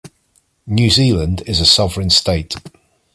New Zealand is a sovereign state.